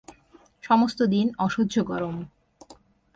সমস্ত দিন অসহ্য গরম।